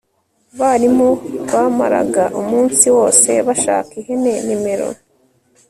barimu bamaraga umunsi wose bashaka ihene nimero